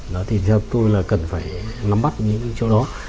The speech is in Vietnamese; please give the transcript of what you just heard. đó thì theo tôi là cần phải nắm bắt những cái chỗ đó